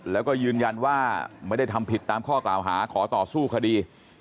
แล้วก็ยืนยันว่าไม่ได้ทำผิดตามข้อกล่าวหาขอต่อสู้คดี